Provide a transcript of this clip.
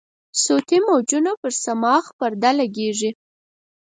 صوتي موجونه پر صماخ پرده لګیږي.